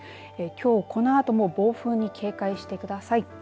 きょう、このあとも暴風に警戒してください。